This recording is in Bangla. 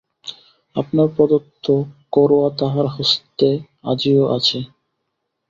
আপনার প্রদত্ত করোয়া তাহার হস্তে আজিও আছে।